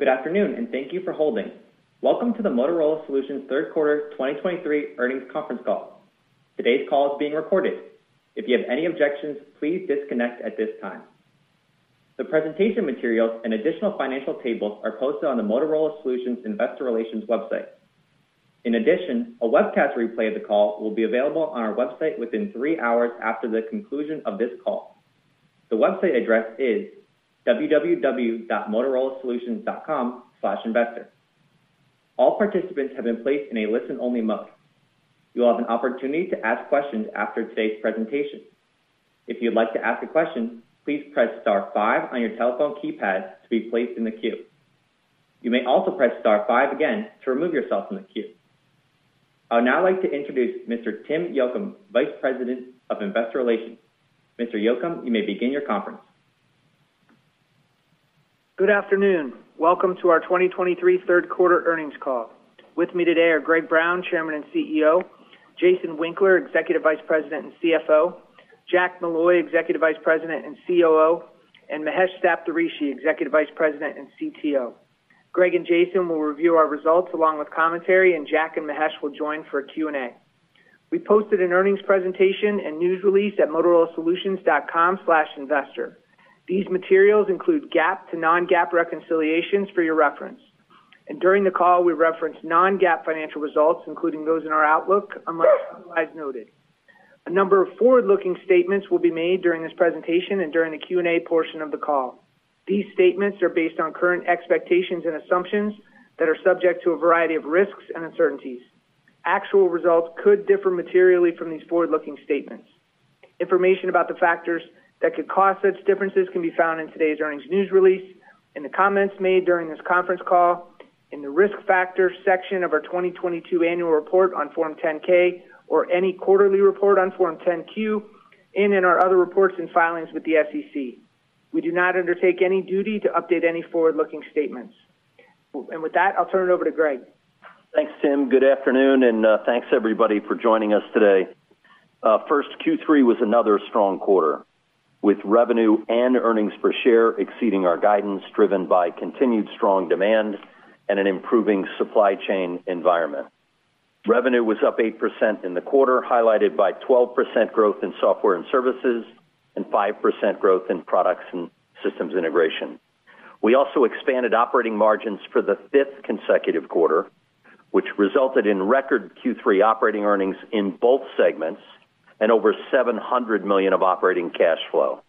Good afternoon, and thank you for holding. Welcome to the Motorola Solutions Third Quarter 2023 Earnings Conference Call. Today's call is being recorded. If you have any objections, please disconnect at this time. The presentation materials and additional financial tables are posted on the Motorola Solutions investor relations website. In addition, a webcast replay of the call will be available on our website within three hours after the conclusion of this call. The website address is www.motorolasolutions.com/investor. All participants have been placed in a listen-only mode. You will have an opportunity to ask questions after today's presentation. If you'd like to ask a question, please press star five on your telephone keypad to be placed in the queue. You may also press star five again to remove yourself from the queue. I would now like to introduce Mr. Tim Yocum, Vice President of Investor Relations. Mr. Yocum, you may begin your conference. Good afternoon. Welcome to our 2023 Third Quarter Earnings Call. With me today are Greg Brown, Chairman and CEO, Jason Winkler, Executive Vice President and CFO, Jack Molloy, Executive Vice President and COO, and Mahesh Saptharishi, Executive Vice President and CTO. Greg and Jason will review our results along with commentary, and Jack and Mahesh will join for a Q&A. We posted an earnings presentation and news release at motorolasolutions.com/investor. These materials include GAAP to non-GAAP reconciliations for your reference, and during the call, we reference non-GAAP financial results, including those in our outlook, otherwise noted. A number of forward-looking statements will be made during this presentation and during the Q&A portion of the call. These statements are based on current expectations and assumptions that are subject to a variety of risks and uncertainties. Actual results could differ materially from these forward-looking statements. Information about the factors that could cause such differences can be found in today's earnings news release, in the comments made during this conference call, in the Risk Factors section of our 2022 annual report on Form 10-K or any quarterly report on Form 10-Q, and in our other reports and filings with the SEC. We do not undertake any duty to update any forward-looking statements. With that, I'll turn it over to Greg. Thanks, Tim. Good afternoon, and thanks, everybody, for joining us today. First, Q3 was another strong quarter, with revenue and earnings per share exceeding our guidance, driven by continued strong demand and an improving supply chain environment. Revenue was up 8% in the quarter, highlighted by 12% growth in Software and Services and 5% growth in Products and Systems Integration. We also expanded operating margins for the fifth consecutive quarter, which resulted in record Q3 operating earnings in both segments and over $700 million of operating cash flow.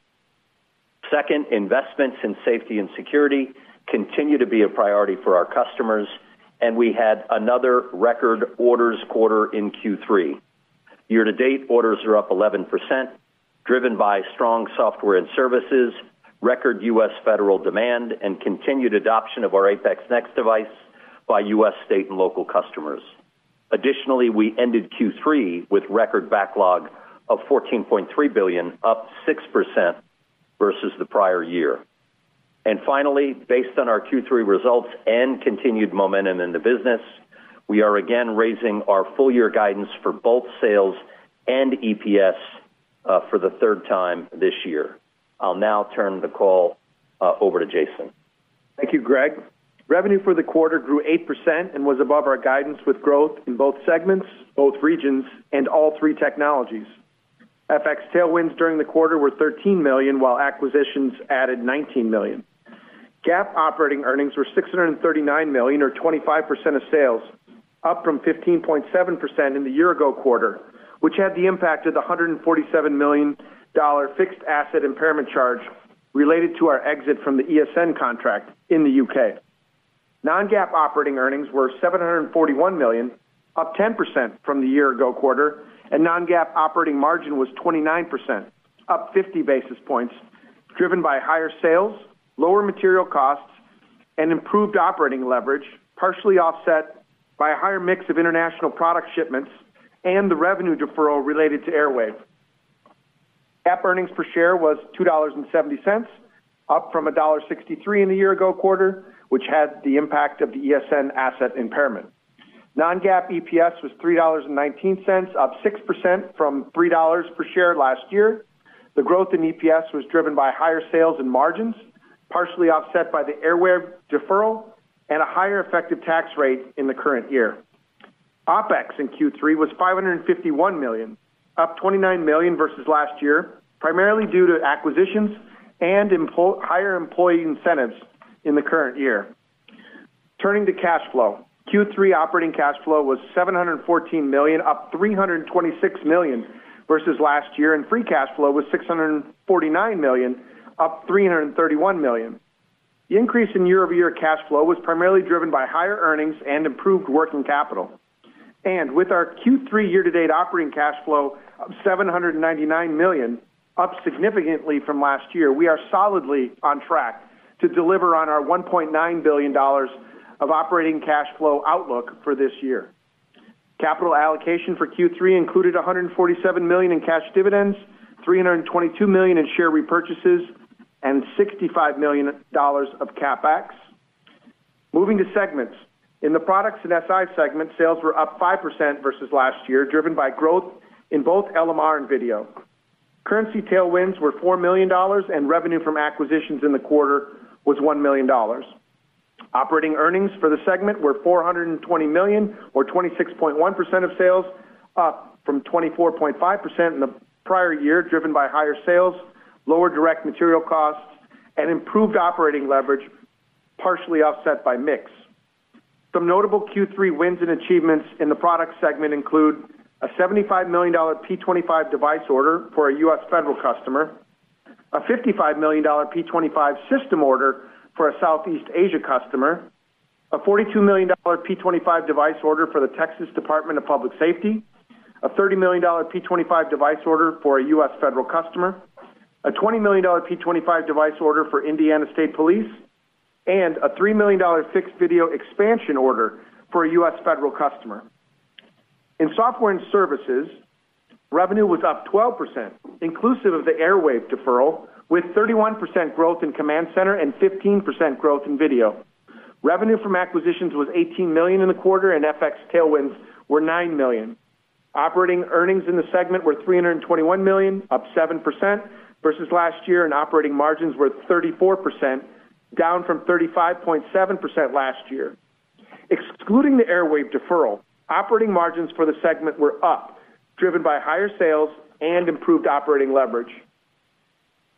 Second, investments in safety and security continue to be a priority for our customers, and we had another record orders quarter in Q3. Year to date, orders are up 11%, driven by strong Software and Services, record U.S. federal demand, and continued adoption of our APX NEXT device by U.S. state and local customers. Additionally, we ended Q3 with record backlog of $14.3 billion, up 6% versus the prior year. And finally, based on our Q3 results and continued momentum in the business, we are again raising our full-year guidance for both sales and EPS for the third time this year. I'll now turn the call over to Jason. Thank you, Greg. Revenue for the quarter grew 8% and was above our guidance with growth in both segments, both regions, and all three technologies. FX tailwinds during the quarter were $13 million, while acquisitions added $19 million. GAAP operating earnings were $639 million, or 25% of sales, up from 15.7% in the year ago quarter, which had the impact of the $147 million fixed asset impairment charge related to our exit from the ESN contract in the U.K. Non-GAAP operating earnings were $741 million, up 10% from the year ago quarter, and non-GAAP operating margin was 29%, up 50 basis points, driven by higher sales, lower material costs, and improved operating leverage, partially offset by a higher mix of international product shipments and the revenue deferral related to Airwave. GAAP earnings per share were $2.70, up from $1.63 in the year ago quarter, which had the impact of the ESN asset impairment. Non-GAAP EPS was $3.19, up 6% from $3 per share last year. The growth in EPS was driven by higher sales and margins, partially offset by the Airwave deferral and a higher effective tax rate in the current year. OpEx in Q3 was $551 million, up $29 million versus last year, primarily due to acquisitions and higher employee incentives in the current year. Turning to cash flow. Q3 operating cash flow was $714 million, up $326 million versus last year, and free cash flow was $649 million, up $331 million. The increase in year-over-year cash flow was primarily driven by higher earnings and improved working capital. With our Q3 year-to-date operating cash flow of $799 million, up significantly from last year, we are solidly on track to deliver on our $1.9 billion of operating cash flow outlook for this year. Capital allocation for Q3 included $147 million in cash dividends, $322 million in share repurchases, and $65 million of CapEx. Moving to segments. In the Products and SI segment, sales were up 5% versus last year, driven by growth in both LMR and video. Currency tailwinds were $4 million, and revenue from acquisitions in the quarter was $1 million. Operating earnings for the segment were $420 million, or 26.1% of sales, up from 24.5% in the prior year, driven by higher sales, lower direct material costs, and improved operating leverage, partially offset by mix. Some notable Q3 wins and achievements in the product segment include a $75 million P25 device order for a U.S. federal customer, a $55 million P25 system order for a Southeast Asia customer, a $42 million P25 device order for the Texas Department of Public Safety, a $30 million P25 device order for a U.S. federal customer, a $20 million P25 device order for Indiana State Police, and a $3 million fixed video expansion order for a U.S. federal customer. In Software and Services, revenue was up 12%, inclusive of the Airwave deferral, with 31% growth in Command Center and 15% growth in video. Revenue from acquisitions was $18 million in the quarter, and FX tailwinds were $9 million. Operating earnings in the segment were $321 million, up 7% versus last year, and operating margins were 34%, down from 35.7% last year. Excluding the Airwave deferral, operating margins for the segment were up, driven by higher sales and improved operating leverage.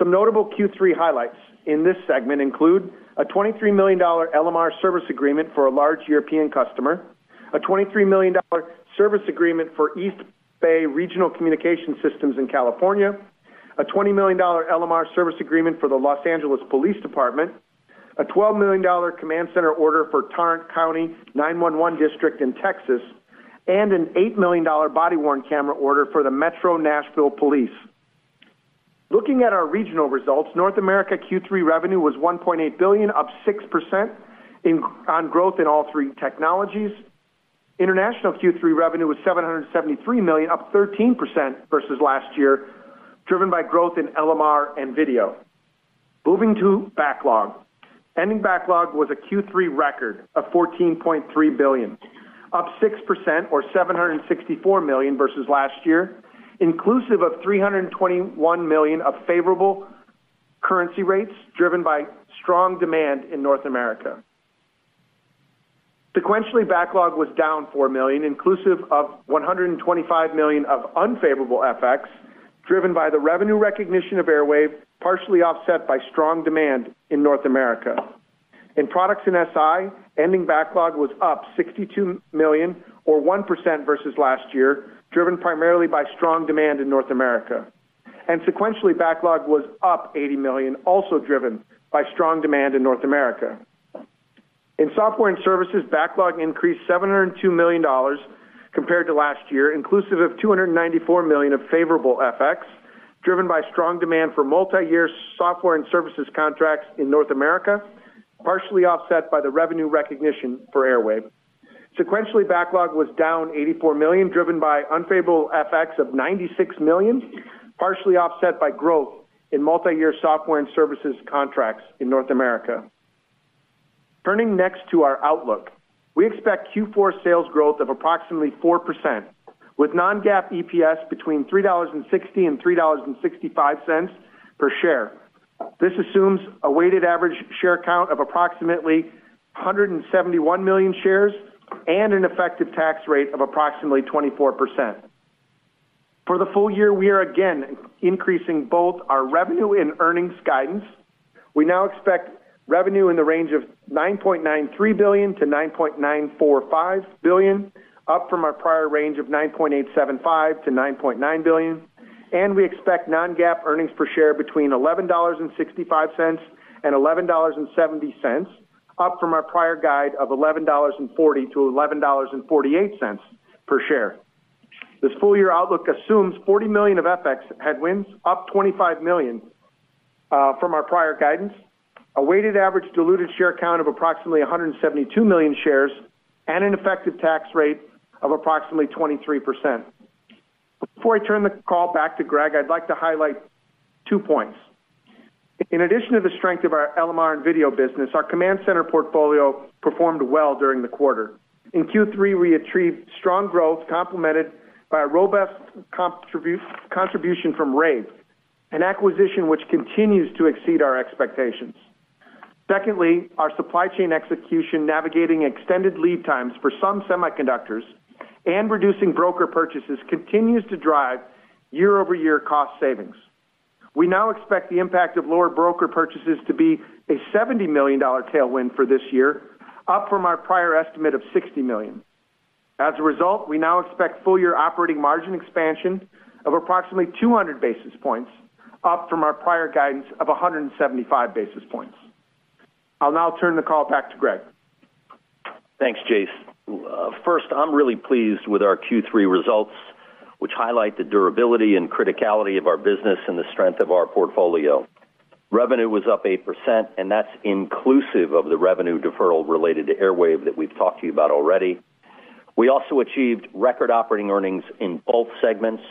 Some notable Q3 highlights in this segment include a $23 million LMR service agreement for a large European customer, a $23 million service agreement for East Bay Regional Communications System in California, a $20 million LMR service agreement for the Los Angeles Police Department, a $12 million Command Center order for Tarrant County 911 District in Texas, and an $8 million body-worn camera order for the Metro Nashville Police. Looking at our regional results, North America Q3 revenue was $1.8 billion, up 6% on growth in all three technologies. International Q3 revenue was $773 million, up 13% versus last year, driven by growth in LMR and video. Moving to backlog. Ending backlog was a Q3 record of $14.3 billion, up 6% or $764 million versus last year, inclusive of $321 million of favorable currency rates, driven by strong demand in North America. Sequentially, backlog was down $4 million, inclusive of $125 million of unfavorable FX, driven by the revenue recognition of Airwave, partially offset by strong demand in North America. In Products and SI, the backlog was up $62 million, or 1%, versus last year, driven primarily by strong demand in North America. Sequentially, backlog was up $80 million, also driven by strong demand in North America. In Software and Services, backlog increased $702 million compared to last year, inclusive of $294 million of favorable FX, driven by strong demand for multiyear Software and Services contracts in North America, partially offset by the revenue recognition for Airwave. Sequentially, backlog was down $84 million, driven by unfavorable FX of $96 million, partially offset by growth in multiyear Software and Services contracts in North America. Turning next to our outlook. We expect Q4 sales growth of approximately 4%, with non-GAAP EPS between $3.60 and $3.65 per share. This assumes a weighted average share count of approximately 171 million shares and an effective tax rate of approximately 24%. For the full year, we are again increasing both our revenue and earnings guidance. We now expect revenue in the range of $9.93 billion to $9.945 billion, up from our prior range of $9.875 billion to $9.9 billion. We expect non-GAAP earnings per share between $11.65 and $11.70, up from our prior guide of $11.40-$11.48 per share. This full year outlook assumes $40 million of FX headwinds, up $25 million, from our prior guidance, a weighted average diluted share count of approximately 172 million shares, and an effective tax rate of approximately 23%. Before I turn the call back to Greg, I'd like to highlight two points. In addition to the strength of our LMR and video business, our Command Center portfolio performed well during the quarter. In Q3, we achieved strong growth, complemented by a robust contribution from Rave, an acquisition that continues to exceed our expectations. Secondly, our supply chain execution, navigating extended lead times for some semiconductors and reducing broker purchases, continues to drive year-over-year cost savings. We now expect the impact of lower broker purchases to be a $70 million tailwind for this year, up from our prior estimate of $60 million. As a result, we now expect full-year operating margin expansion of approximately 200 basis points, up from our prior guidance of 175 basis points. I'll now turn the call back to Greg. Thanks, Jack. First, I'm really pleased with our Q3 results, which highlight the durability and criticality of our business and the strength of our portfolio. Revenue was up 8%, and that's inclusive of the revenue deferral related to Airwave that we've talked to you about already. We also achieved record operating earnings in both segments,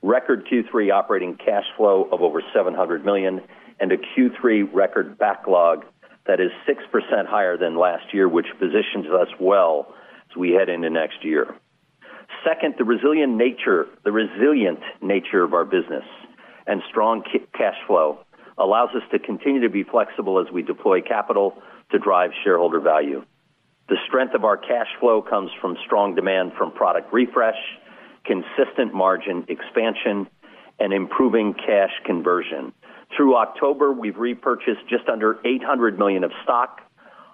record Q3 operating cash flow of over $700 million, and a Q3 record backlog that is 6% higher than last year, which positions us well as we head into next year. Second, the resilient nature of our business and strong cash flow allows us to continue to be flexible as we deploy capital to drive shareholder value. The strength of our cash flow comes from strong demand from product refresh, consistent margin expansion, and improving cash conversion. Through October, we've repurchased just under $800 million of stock,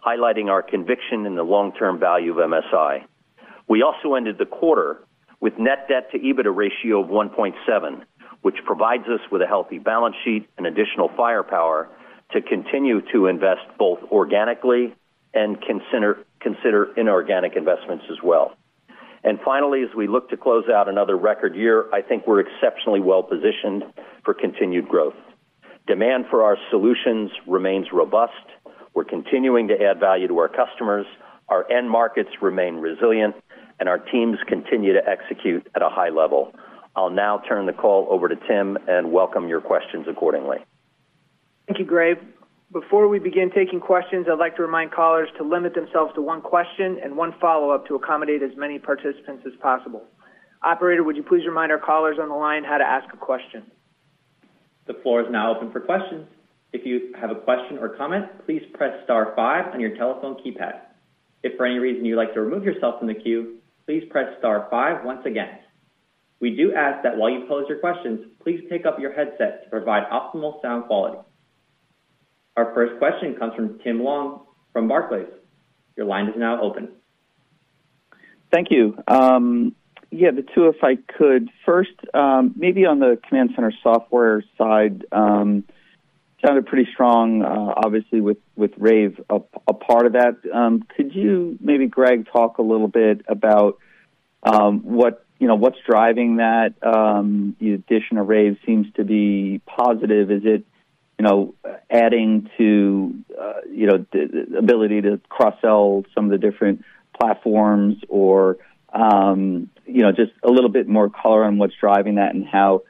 highlighting our conviction in the long-term value of MSI. We also ended the quarter with net debt to EBITDA ratio of 1.7, which provides us with a healthy balance sheet and additional firepower to continue to invest both organically and consider, consider inorganic investments as well. Finally, as we look to close out another record year, I think we're exceptionally well positioned for continued growth. Demand for our solutions remains robust. We're continuing to add value to our customers, our end markets remain resilient, and our teams continue to execute at a high level. I'll now turn the call over to Tim and welcome your questions accordingly. Thank you, Greg. Before we begin taking questions, I'd like to remind callers to limit themselves to one question and one follow-up to accommodate as many participants as possible. Operator, would you please remind our callers on the line how to ask a question? The floor is now open for questions. If you have a question or comment, please press star five on your telephone keypad. If for any reason you'd like to remove yourself from the queue, please press star five once again. We do ask that while you pose your questions, please pick up your headset to provide optimal sound quality. Our first question comes from Tim Long from Barclays. Your line is now open. Thank you. The two, if I could. First, maybe on the Command Center software side, sounded pretty strong with Rave a part of that. Could you, Greg, talk a little bit about what's driving that? The addition of Rave seems to be positive. Is it adding to the ability to cross-sell some of the different platforms or just a little bit more color on what's driving that and how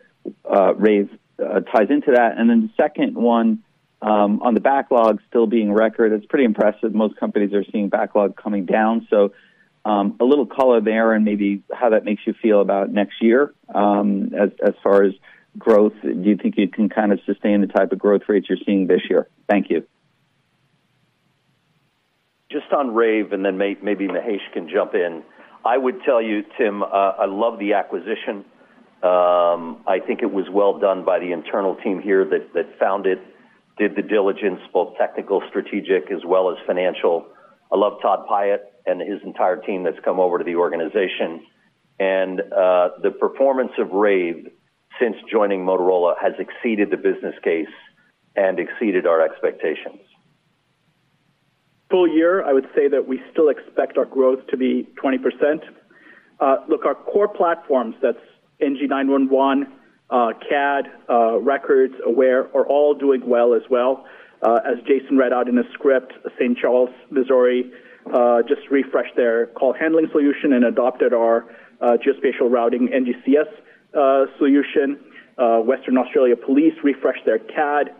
Rave ties into that? And then the second one, on the backlog still being record, it's pretty impressive. Most companies are seeing backlog coming down, so a little color there and maybe how that makes you feel about next year, as far as growth. Do you think you can kind of sustain the type of growth rates you're seeing this year? Thank you. Just on Rave, and then maybe Mahesh can jump in. I would tell you, Tim, I love the acquisition. I think it was well done by the internal team here that found it, did the diligence, both technical, strategic, and financial. I love Todd Piett and his entire team that's come over to the organization. And the performance of Rave since joining Motorola has exceeded the business case and exceeded our expectations. Full year, I would say that we still expect our growth to be 20%. Look, our core platforms, that's NG911, CAD, Records, Aware, are all doing well as well. As Jason read out in the script, St. Charles, Missouri, just refreshed their call handling solution and adopted our geospatial routing NGCS solution. Western Australia Police refreshed their CAD.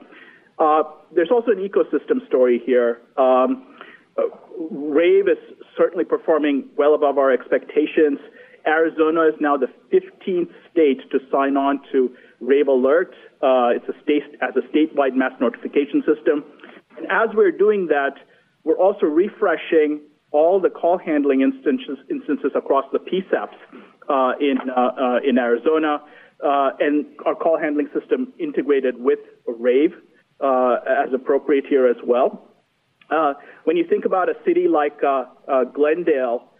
There's also an ecosystem story here. Rave is certainly performing well above our expectations. Arizona is now the 15th state to sign on to Rave Alert. It's a statewide mass notification system. And as we're doing that, we're also refreshing all the call handling instances across the PSAPs in Arizona, and our call handling system integrated with Rave as appropriate here as well. When you think about a city like Glendale,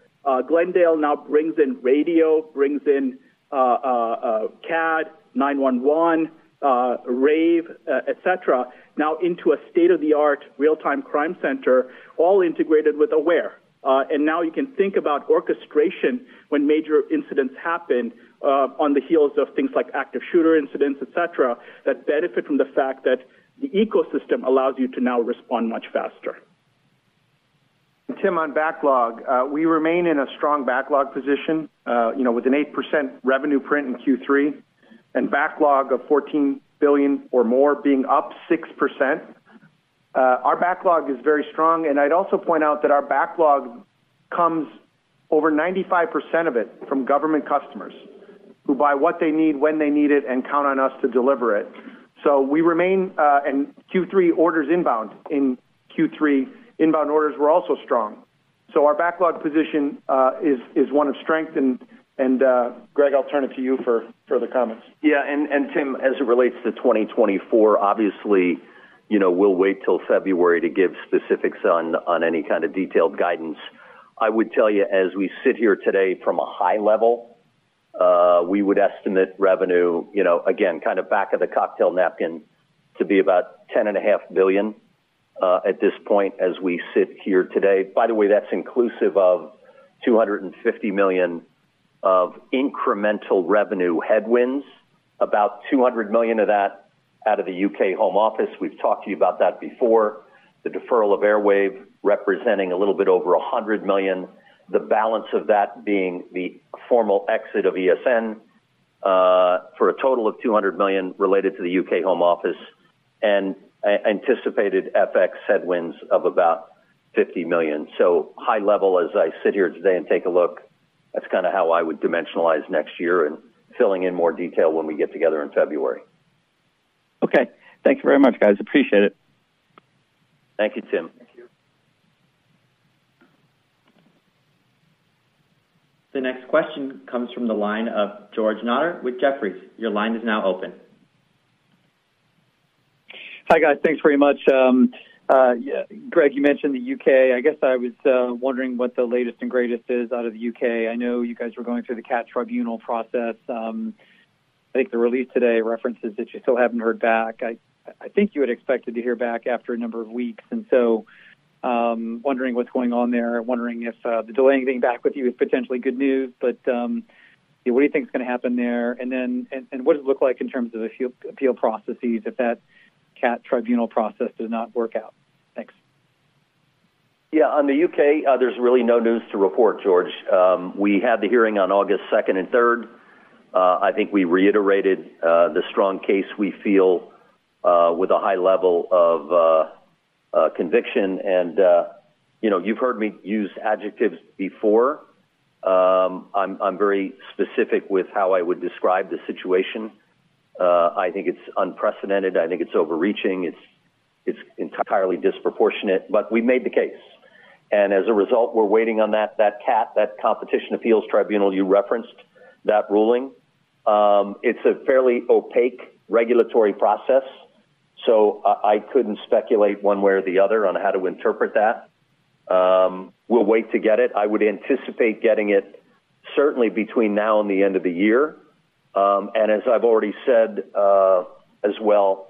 Glendale now brings in radio, brings in CAD, 911, Rave, et cetera, now into a state-of-the-art real-time crime center, all integrated with Aware. And now you can think about orchestration when major incidents happen, on the heels of things like active shooter incidents, et cetera, that benefit from the fact that the ecosystem allows you to now respond much faster. Tim, on backlog, we remain in a strong backlog position, you know, with an 8% revenue print in Q3 and backlog of $14 billion or more being up 6%. Our backlog is very strong, and I'd also point out that our backlog comes over 95% of it from government customers, who buy what they need, when they need it, and count on us to deliver it. So we remain, and Q3 orders inbound. In Q3, inbound orders were also strong. So our backlog position is one of strength. And, Greg, I'll turn it to you for further comments. Yeah, and Tim, as it relates to 2024, obviously, you know, we'll wait till February to give specifics on any kind of detailed guidance. I would tell you, as we sit here today from a high level, we would estimate revenue, you know, again, kind of back of the cocktail napkin, to be about $10.5 billion, at this point as we sit here today. By the way, that's inclusive of $250 million of incremental revenue headwinds, about $200 million of that out of the UK Home Office. We've talked to you about that before. The deferral of Airwave, representing a little bit over $100 million, the balance of that being the formal exit of ESN, for a total of $200 million related to the UK Home Office, and anticipated FX headwinds of about $50 million. High level, as I sit here today and take a look, that's kind of how I would dimensionalize next year and filling in more detail when we get together in February. Okay. Thank you very much, guys. Appreciate it. Thank you, Tim. Thank you. The next question comes from the line of George Notter with Jefferies. Your line is now open. Hi, guys. Thanks very much. Greg, you mentioned the UK. I guess I was wondering what the latest and greatest is out of the UK. I know you guys were going through the CAT Tribunal process. I think the release today references that you still haven't heard back. I think you had expected to hear back after a number of weeks, and so wondering what's going on there, wondering if the delay getting back with you is potentially good news, but what do you think is going to happen there? And then, and what does it look like in terms of the appeal processes if that CAT Tribunal process does not work out? Thanks. On the U.K., there's really no news to report, George. We had the hearing on August 2nd and 3rd. I think we reiterated the strong case we feel with a high level of conviction. You've heard me use adjectives before. I'm very specific with how I would describe the situation. I think it's unprecedented. I think it's overreaching. It's entirely disproportionate, but we made the case. As a result, we're waiting on that CAT, that Competition Appeal Tribunal, you referenced that ruling. It's a fairly opaque regulatory process, so I couldn't speculate one way or the other on how to interpret that. We'll wait to get it. I would anticipate getting it certainly between now and the end of the year. And as I've already said, as well,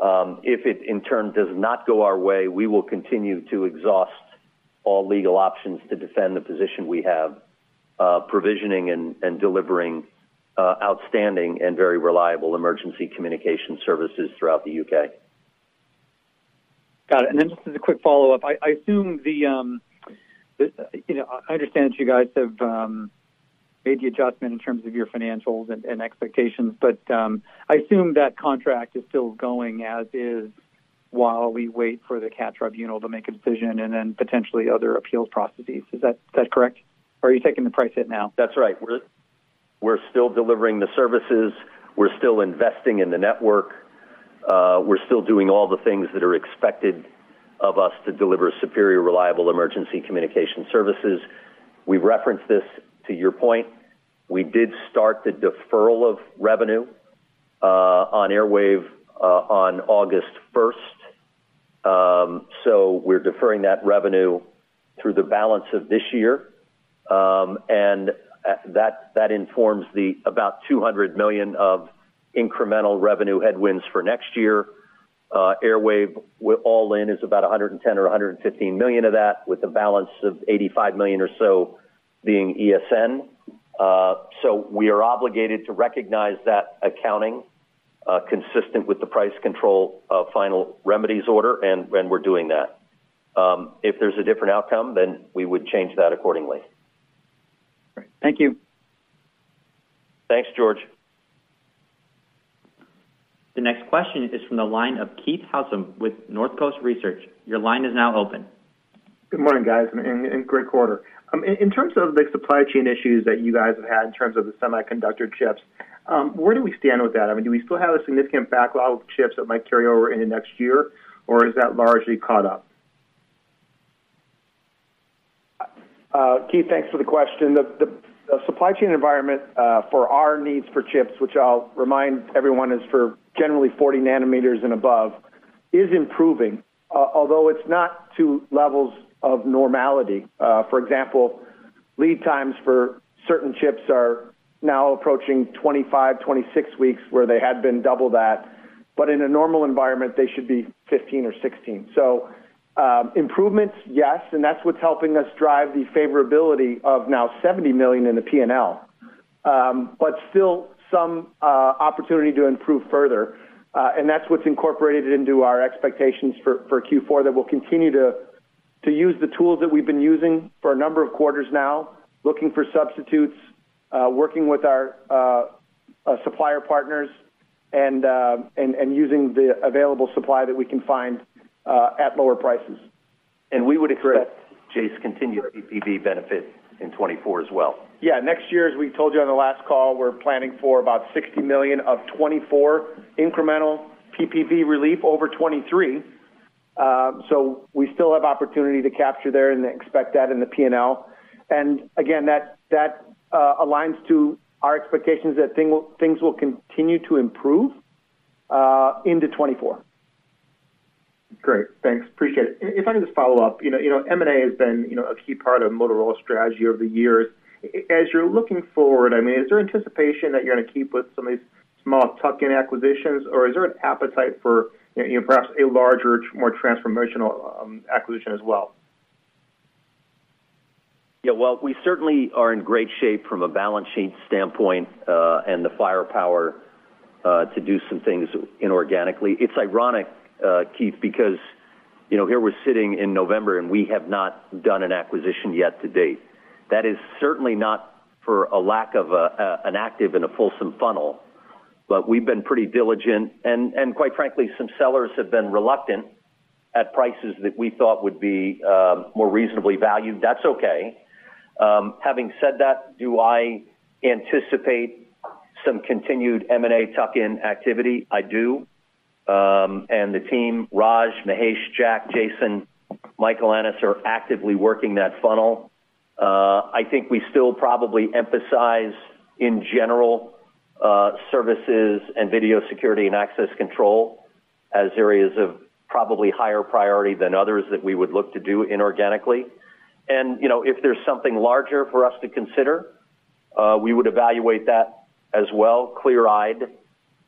if it in turn does not go our way, we will continue to exhaust all legal options to defend the position we have, provisioning and delivering outstanding and very reliable emergency communication services throughout the U.K.. Got it. And then just as a quick follow-up, I assume the, you know, I understand you guys have made the adjustment in terms of your financials and expectations, but I assume that contract is still going as is, while we wait for the CAT Tribunal to make a decision and then potentially other appeals processes. Is that correct? Or are you taking the price hit now? That's right. We're still delivering the services, we're still investing in the network, we're still doing all the things that are expected of us to deliver superior, reliable emergency communication services. We've referenced this to your point. We did start the deferral of revenue on Airwave on August first. So we're deferring that revenue through the balance of this year, and that, that informs about $200 million of incremental revenue headwinds for next year. Airwave, all in, is about $110 million or $115 million of that, with a balance of $85 million or so being ESN. So we are obligated to recognize that accounting consistent with the price control final remedies order, and we're doing that. If there's a different outcome, then we would change that accordingly. Great. Thank you. Thanks, George. The next question is from the line of Keith Housum with North Coast Research. Your line is now open. Good morning, guys, and great quarter. In terms of the supply chain issues that you guys have had in terms of the semiconductor chips, where do we stand with that? I mean, do we still have a significant backlog of chips that might carry over into next year, or is that largely caught up? Keith, thanks for the question. The supply chain environment for our needs for chips, which I'll remind everyone, is for generally 40nm and above, is improving, although it's not to levels of normality. For example, lead times for certain chips are now approaching 25, 26 weeks, where they had been double that, but in a normal environment, they should be 15 or 16. So, improvements, yes, and that's what's helping us drive the favorability of now $70 million in the P&L, but still some opportunity to improve further. And that's what's incorporated into our expectations for Q4, that we'll continue to use the tools that we've been using for a number of quarters now, looking for substitutes, working with our supplier partners, and using the available supply that we can find at lower prices. We would expect, Keith, continued PPV benefit in 2024 as well. Yeah. Next year, as we told you on the last call, we're planning for about $60 million of 2024 incremental PPV relief over 2023. So we still have opportunity to capture there and expect that in the P&L. And again, that aligns to our expectations that things will continue to improve into 2024. Great. Thanks. Appreciate it. If I can just follow up, you know, M&A has been, you know, a key part of Motorola's strategy over the years. As you're looking forward, I mean, is there anticipation that you're going to keep with some of these small tuck-in acquisitions, or is there an appetite for, you know, perhaps a larger, more transformational acquisition as well? Well, we certainly are in great shape from a balance sheet standpoint, and the firepower to do some things inorganically. It's ironic, Keith, because, you know, here we're sitting in November, and we have not done an acquisition yet to date. That is certainly not for a lack of an active and fulsome funnel, but we've been pretty diligent. And quite frankly, some sellers have been reluctant at prices that we thought would be more reasonably valued. That's okay. Having said that, do I anticipate some continued M&A tuck-in activity? I do. And the team, Raj, Mahesh, Jack, Jason, Michael Annis, are actively working that funnel. I think we still probably emphasize, in general, services and video security and access control as areas of probably higher priority than others that we would look to do inorganically. You know, if there's something larger for us to consider, we would evaluate that as well, clear-eyed,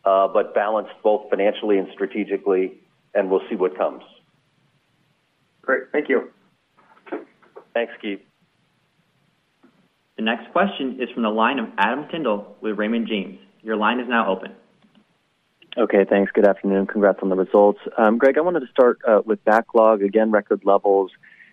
but balanced both financially and strategically, and we'll see what comes. Great. Thank you. Thanks, Keith. The next question is from the line of Adam Tindle with Raymond James. Your line is now open. Okay, thanks. Good afternoon. Congrats on the results. Greg, I wanted to start with backlog. Again, record levels.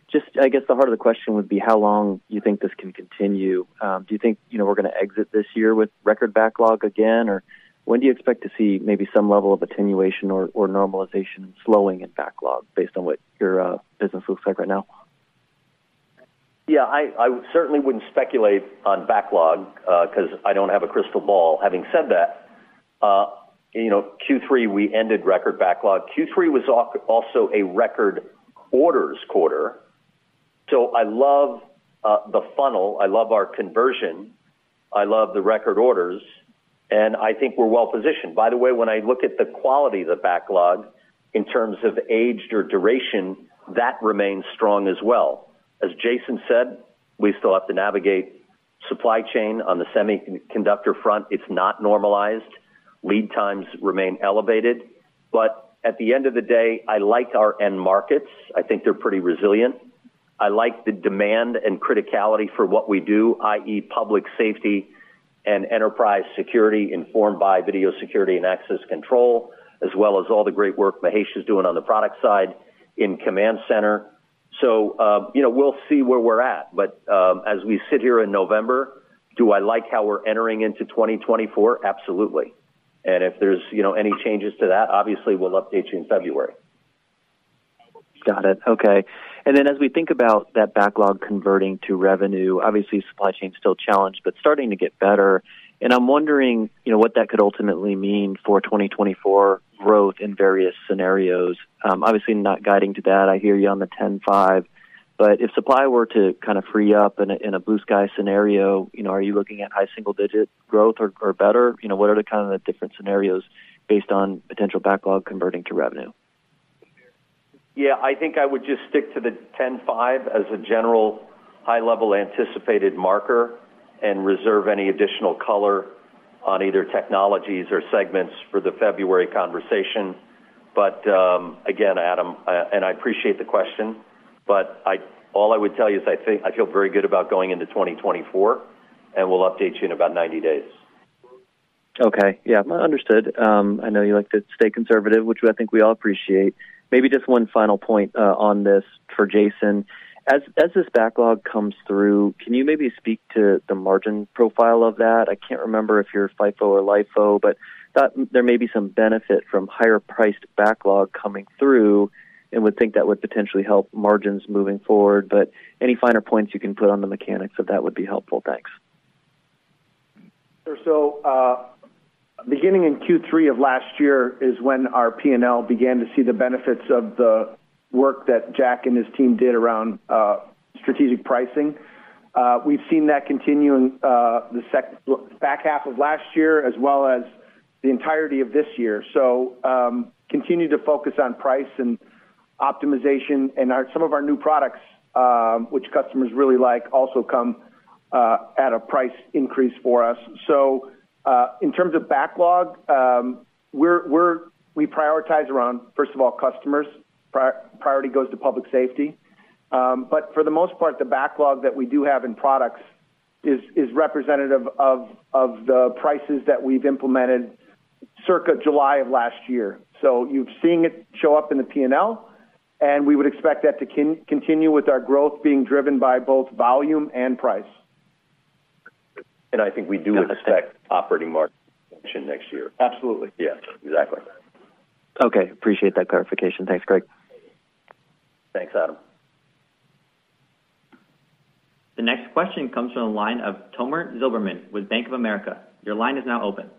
Just, I guess, the heart of the question would be how long you think this can continue? Do you think, you know, we're going to exit this year with record backlog again? Or when do you expect to see maybe some level of attenuation or normalization, slowing in backlog based on what your business looks like right now? I certainly wouldn't speculate on backlog, because I don't have a crystal ball. Having said that, you know, Q3, we ended record backlog. Q3 was also a record orders quarter. So I love the funnel, I love our conversion, I love the record orders, and I think we're well positioned. By the way, when I look at the quality of the backlog in terms of age or duration, that remains strong as well. As Jason said, we still have to navigate supply chain on the semiconductor front. It's not normalized. Lead times remain elevated. But at the end of the day, I like our end markets. I think they're pretty resilient. I like the demand and criticality for what we do, i.e., public safety and enterprise security, informed by video security and access control, as well as all the great work Mahesh is doing on the product side in Command Center. So, you know, we'll see where we're at. But, as we sit here in November, do I like how we're entering into 2024? Absolutely. And if there's, you know, any changes to that, obviously, we'll update you in February. Got it. Okay. And then as we think about that backlog converting to revenue, obviously, supply chain is still challenged, but starting to get better. And I'm wondering, you know, what that could ultimately mean for 2024 growth in various scenarios. Obviously, not guiding to that. I hear you on the 10.5, but if supply were to kind of free up in a blue sky scenario, you know, are you looking at high single-digit growth or, or better? You know, what are the kind of different scenarios based on potential backlog converting to revenue? Yeah, I think I would just stick to the 10.5 as a general high-level anticipated marker and reserve any additional color on either technologies or segments for the February conversation. But, again, Adam, and I appreciate the question, but all I would tell you is I think I feel very good about going into 2024, and we'll update you in about 90 days. Okay. Yeah, understood. I know you like to stay conservative, which I think we all appreciate. Maybe just one final point on this for Jason. As this backlog comes through, can you maybe speak to the margin profile of that? I can't remember if you're FIFO or LIFO, but that there may be some benefit from higher-priced backlog coming through and would think that would potentially help margins moving forward. But any finer points you can put on the mechanics of that would be helpful. Thanks. So, beginning in Q3 of last year is when our P&L began to see the benefits of the work that Jack and his team did around, strategic pricing. We've seen that continue in, the back half of last year, as well as the entirety of this year. So, continue to focus on price and optimization and some of our new products, which customers really like, also come, at a price increase for us. So, in terms of backlog, we prioritize around, first of all, customers. Priority goes to public safety. But for the most part, the backlog that we do have in products is representative of the prices that we've implemented circa July of last year. So you've seen it show up in the P&L, and we would expect that to continue with our growth being driven by both volume and price. I think we do expect operating margin expansion next year. Absolutely. Yes, exactly. Okay. Appreciate that clarification. Thanks, Greg. Thanks, Adam. The next question comes from the line of Tomer Zilberman with Bank of America. Your line is now open.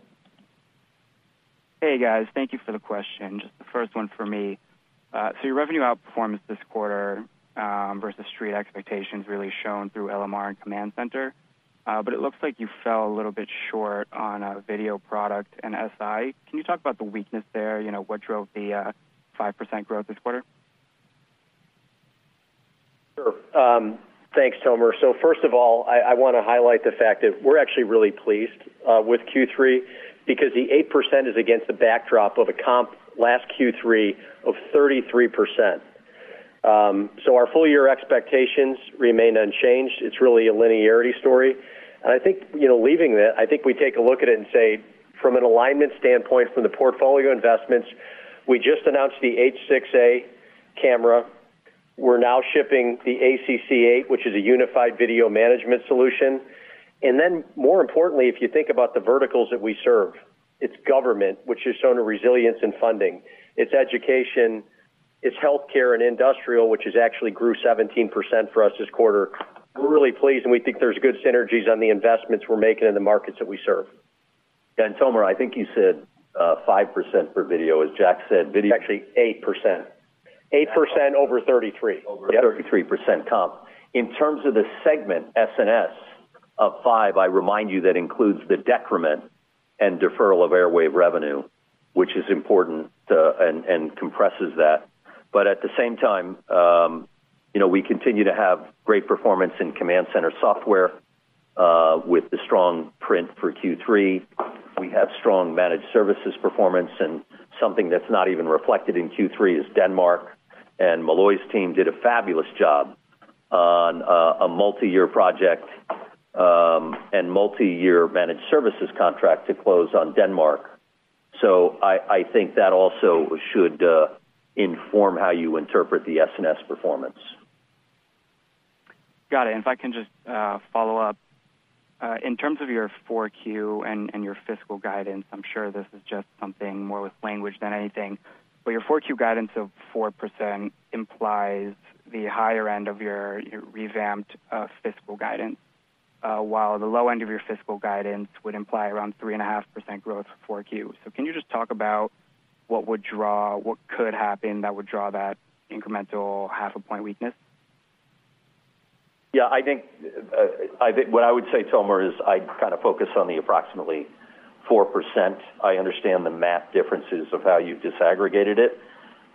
Hey, guys. Thank you for the question. Just the first one for me. So your revenue outperformance this quarter versus street expectations really shown through LMR and Command Center, but it looks like you fell a little bit short on video product and SI. Can you talk about the weakness there? You know, what drove the 5% growth this quarter? Sure. Thanks, Tomer. So first of all, I want to highlight the fact that we're actually really pleased with Q3, because the 8% is against the backdrop of a comp last Q3 of 33%. So our full year expectations remain unchanged. It's really a linearity story. And I think, you know, leaving that, I think we take a look at it and say, from an alignment standpoint, from the portfolio investments, we just announced the H6A camera. We're now shipping the ACC8, which is a unified video management solution. And then more importantly, if you think about the verticals that we serve, it's government, which has shown a resilience in funding. It's education, it's healthcare and industrial, which has actually grew 17% for us this quarter. We're really pleased, and we think there's good synergies on the investments we're making in the markets that we serve. And Tomer, I think you said, 5% for video. Actually, 8%. 8% over 33%. Over 33% comp. In terms of the segment, SNS of 5, I remind you that includes the decrement and deferral of Airwave revenue, which is important, and compresses that. But at the same time, you know, we continue to have great performance in Command Center software, with the strong print for Q3. We have strong managed services performance, and something that's not even reflected in Q3 is Denmark, and Molloy's team did a fabulous job on, a multi-year project, and multi-year managed services contract to close on Denmark. So I think that also should inform how you interpret the SNS performance. Got it. If I can just follow up. In terms of your 4Q and your fiscal guidance, I'm sure this is just something more with language than anything, but your 4Q guidance of 4% implies the higher end of your revamped fiscal guidance, while the low end of your fiscal guidance would imply around 3.5% growth for 4Q. So can you just talk about what could happen that would draw that incremental 0.5 point weakness? Yeah, I think, I think what I would say, Tomer, is I'd kind of focus on the approximately 4%. I understand the math differences of how you've disaggregated it,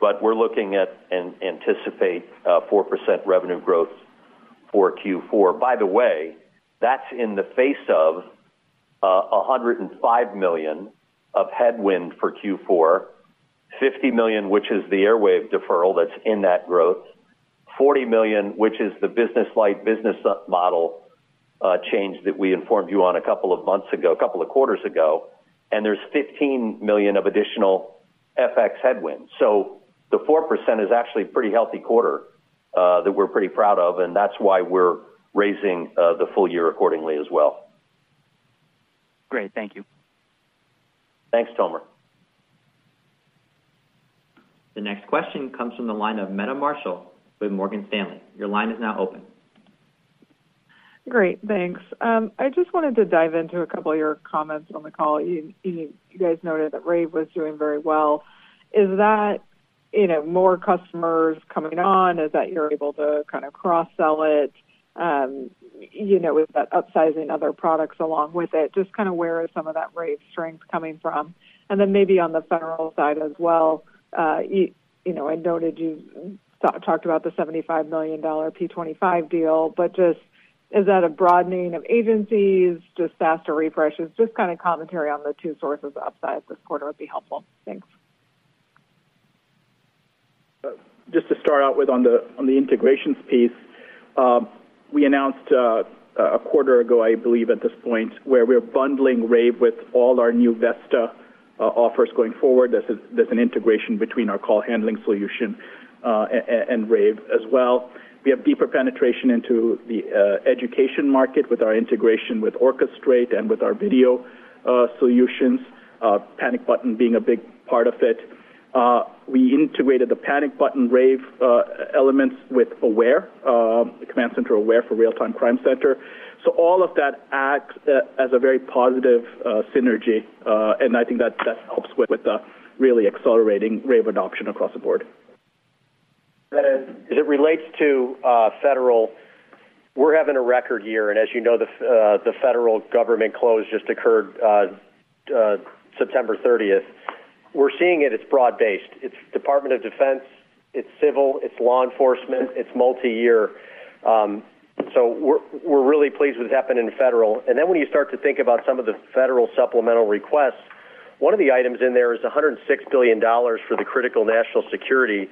but we're looking at and anticipate, 4% revenue growth for Q4. By the way, that's in the face of, $105 million of headwind for Q4, $50 million, which is the Airwave deferral that's in that growth, $40 million, which is the business-like business model, change that we informed you on a couple of months ago, a couple of quarters ago, and there's $15 million of additional FX headwinds. So the 4% is actually a pretty healthy quarter, that we're pretty proud of, and that's why we're raising, the full year accordingly as well. Great. Thank you. Thanks, Tomer. The next question comes from the line of Meta Marshall with Morgan Stanley. Your line is now open. Great, thanks. I just wanted to dive into a couple of your comments on the call. You, you guys noted that Rave was doing very well. Is that, you know, more customers coming on? Is that you're able to kind of cross-sell it? You know, is that upsizing other products along with it? Just kind of where is some of that Rave strength coming from? And then maybe on the federal side as well, you know, I noted you talked about the $75 million P25 deal, but just is that a broadening of agencies, just faster refreshes? Just kind of commentary on the two sources upside this quarter would be helpful. Thanks. Just to start out with on the integrations piece, we announced a quarter ago, I believe, at this point, where we're bundling Rave with all our new Vesta offers going forward. There's an integration between our call handling solution and Rave as well. We have deeper penetration into the education market with our integration with Orchestrate and with our video solutions, Panic Button being a big part of it. We integrated the Panic Button Rave elements with Aware Command Center Aware for Real-Time Crime Center. So all of that acts as a very positive synergy, and I think that helps with the really accelerating Rave adoption across the board. As it relates to federal, we're having a record year, and as you know, the federal government close just occurred September 30th. We're seeing it, it's broad-based. It's Department of Defense, it's civil, it's law enforcement, it's multi-year. So we're really pleased with what's happening in federal. And then when you start to think about some of the federal supplemental requests, one of the items in there is $106 billion for the Critical National Security,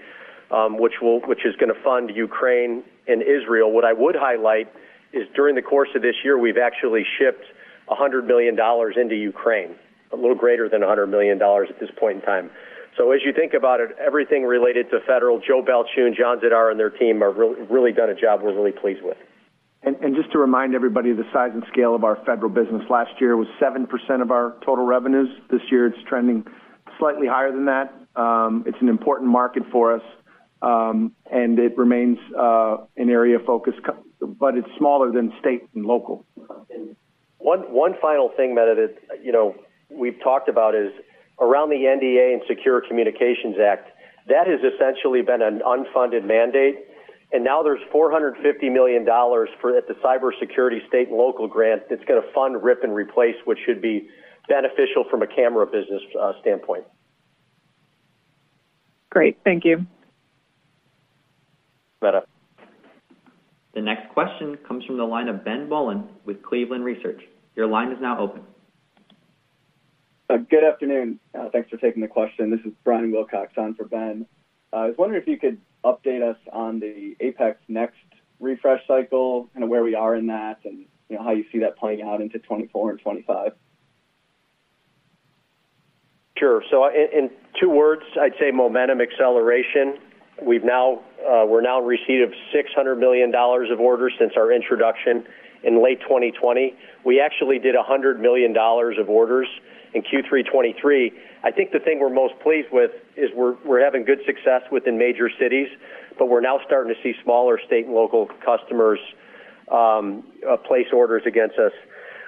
which is going to fund Ukraine and Israel. What I would highlight is, during the course of this year, we've actually shipped $100 million into Ukraine, a little greater than $100 million at this point in time. So as you think about it, everything related to federal, Joe Balchune and John Zidar and their team have really, really done a job we're really pleased with. Just to remind everybody of the size and scale of our federal business, last year was 7% of our total revenues. This year, it's trending slightly higher than that. It's an important market for us, and it remains an area of focus, but it's smaller than state and local. One final thing, Meta, that we've talked about is around the NDAA and Secure Communications Act, that has essentially been an unfunded mandate, and now there's $450 million for the Cybersecurity State and Local Grant that's going to fund, rip, and replace, which should be beneficial from a camera business standpoint. Great. Thank you. Meta. The next question comes from the line of Ben Bollin with Cleveland Research. Your line is now open. Good afternoon. Thanks for taking the question. This is Brian Wilcox on for Ben. I was wondering if you could update us on the APX NEXT refresh cycle, and where we are in that, and, you know, how you see that playing out into 2024 and 2025. Sure. So in two words, I'd say momentum acceleration. We've now, we're now in receipt of $600 million of orders since our introduction in late 2020. We actually did $100 million of orders in Q3 2023. I think the thing we're most pleased with is we're having good success within major cities, but we're now starting to see smaller state and local customers place orders against us.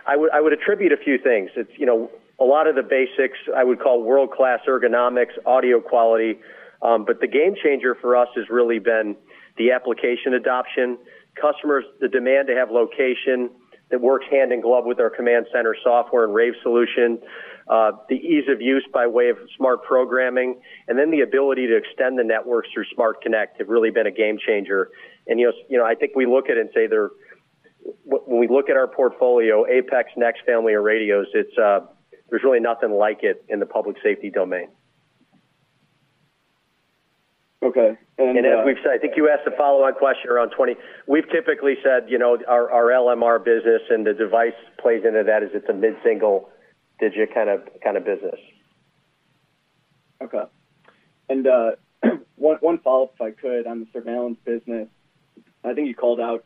I would attribute a few things. It's, you know, a lot of the basics, I would call world-class ergonomics, audio quality, but the game changer for us has really been the application adoption. Customers, the demand to have location that works hand in glove with our Command Center software and Rave solution, the ease of use by way of Smart Programming, and then the ability to extend the networks through Smart Connect have really been a game changer. And, you know, you know, I think we look at it and when we look at our portfolio, APX NEXT family of radios, it's, there's really nothing like it in the public safety domain. As we've said, I think you asked a follow-on question around 20. We've typically said our LMR business and the device plays into that is, it's a mid-single digit kind of, kind of business. Okay. And, one follow-up, if I could, on the surveillance business. I think you called out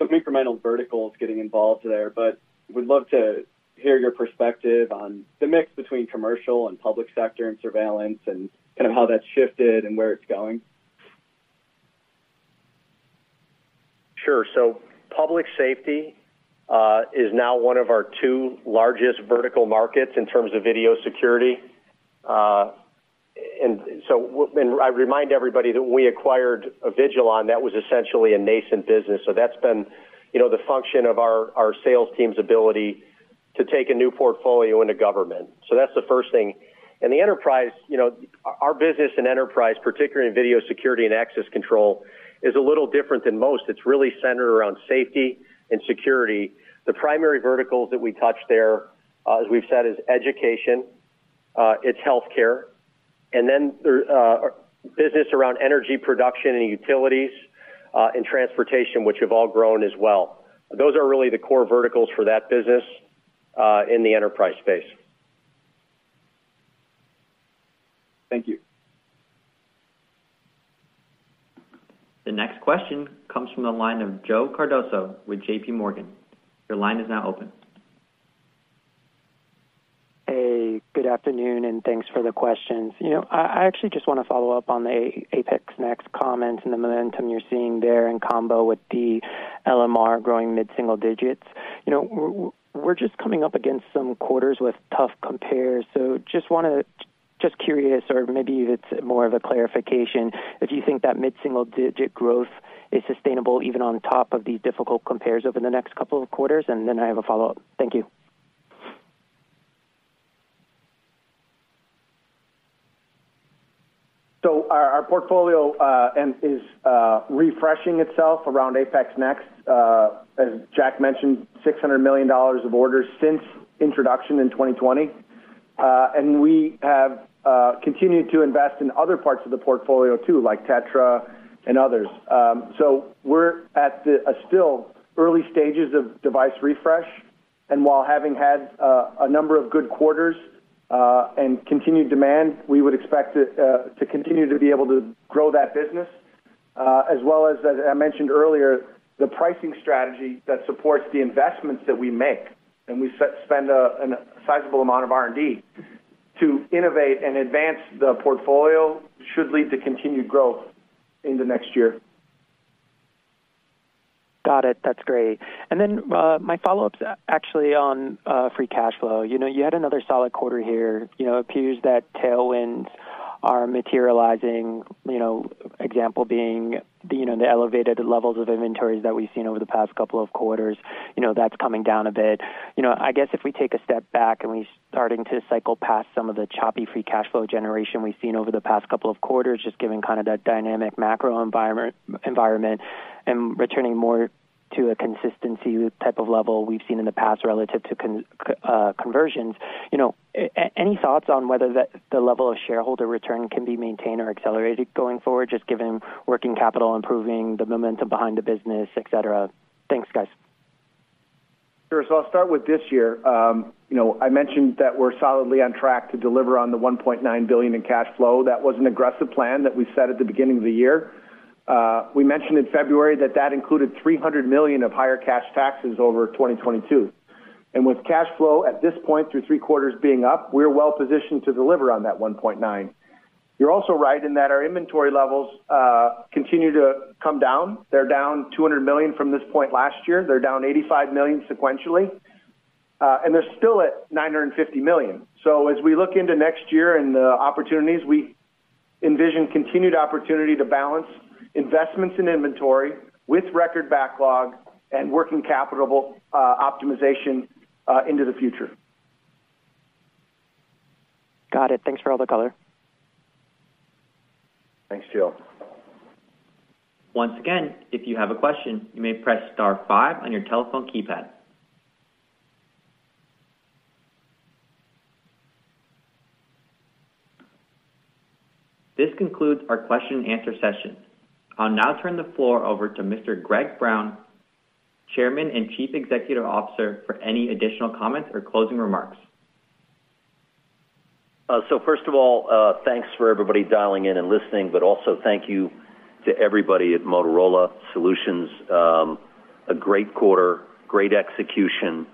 incremental verticals getting involved there, but would love to hear your perspective on the mix between commercial and public sector and surveillance, and kind of how that's shifted and where it's going. Sure. So public safety is now one of our two largest vertical markets in terms of video security. And so and I remind everybody that we acquired Avigilon, that was essentially a nascent business, so that's been the function of our sales team's ability to take a new portfolio into government. So that's the first thing. And the enterprise, you know, our business and enterprise, particularly in video security and access control, is a little different than most. It's really centered around safety and security. The primary verticals that we touch there, as we've said, is education, it's healthcare, and then there, business around energy production and utilities, and transportation, which have all grown as well. Those are really the core verticals for that business in the enterprise space. Thank you. The next question comes from the line of Joe Cardoso with JPMorgan. Your line is now open. Hey, good afternoon, and thanks for the questions. You know, I actually just want to follow up on the APX NEXT comments and the momentum you're seeing there in combo with the LMR growing mid-single digits. You know, we're just coming up against some quarters with tough compares, so just want to, just curious, or maybe it's more of a clarification, if you think that mid-single digit growth is sustainable, even on top of the difficult compares over the next couple of quarters? And then I have a follow-up. Thank you. So our portfolio and is refreshing itself around APX NEXT. As Jack mentioned, $600 million of orders since introduction in 2020. And we have continued to invest in other parts of the portfolio too, like TETRA and others. So we're at the still early stages of device refresh, and while having had a number of good quarters and continued demand, we would expect it to continue to be able to grow that business. As well as I mentioned earlier, the pricing strategy that supports the investments that we make, and we spend a sizable amount of R&D to innovate and advance the portfolio, should lead to continued growth in the next year. Got it. That's great. And then, my follow-up's actually on free cash flow. You know, you had another solid quarter here. You know, it appears that tailwinds are materializing, you know, example being, you know, the elevated levels of inventories that we've seen over the past couple of quarters. You know, that's coming down a bit. You know, I guess if we take a step back and we're starting to cycle past some of the choppy free cash flow generation we've seen over the past couple of quarters, just given kind of that dynamic macro environment and returning more to a consistency type of level we've seen in the past relative to cash conversions. You know, any thoughts on whether the level of shareholder return can be maintained or accelerated going forward, just given working capital improving the momentum behind the business, et cetera? Thanks, guys. Sure. So I'll start with this year. You know, I mentioned that we're solidly on track to deliver on the $1.9 billion in cash flow. That was an aggressive plan that we set at the beginning of the year. We mentioned in February that included $300 million of higher cash taxes over 2022. And with cash flow at this point, through three quarters being up, we're well-positioned to deliver on that $1.9 billion. You're also right in that our inventory levels continue to come down. They're down $200 million from this point last year. They're down $85 million sequentially, and they're still at $950 million. So as we look into next year and the opportunities, we envision continued opportunity to balance investments in inventory with record backlog and working capital optimization into the future. Got it. Thanks for all the color. Thanks, Joe. Once again, if you have a question, you may press star five on your telephone keypad. This concludes our question and answer session. I'll now turn the floor over to Mr. Greg Brown, Chairman and Chief Executive Officer, for any additional comments or closing remarks. So first of all, thanks for everybody dialing in and listening, but also thank you to everybody at Motorola Solutions. A great quarter, great execution,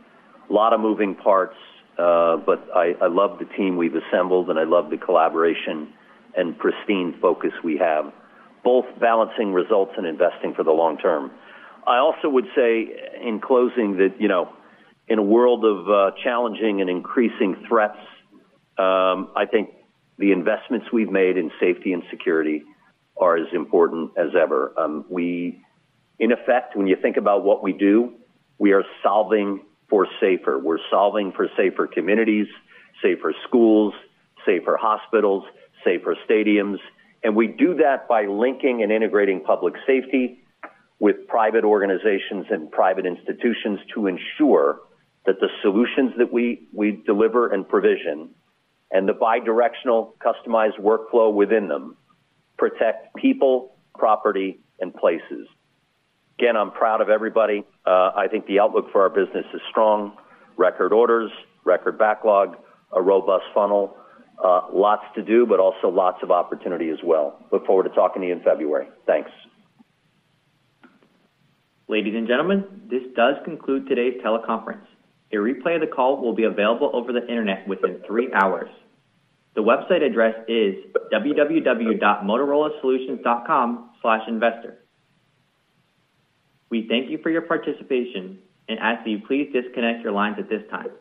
a lot of moving parts, but I love the team we've assembled, and I love the collaboration and pristine focus we have, both balancing results and investing for the long term. I also would say in closing that, you know, in a world of challenging and increasing threats, I think the investments we've made in safety and security are as important as ever. We, in effect, when you think about what we do, we are solving for safer. We're solving for safer communities, safer schools, safer hospitals, safer stadiums, and we do that by linking and integrating public safety with private organizations and private institutions to ensure that the solutions that we deliver and provision, and the bidirectional customized workflow within them, protect people, property, and places. Again, I'm proud of everybody. I think the outlook for our business is strong. Record orders, record backlog, a robust funnel. Lots to do, but also lots of opportunity as well. Look forward to talking to you in February. Thanks. Ladies and gentlemen, this does conclude today's teleconference. A replay of the call will be available over the internet within 3 hours. The website address is www.motorolasolutions.com/investor. We thank you for your participation and ask that you please disconnect your lines at this time.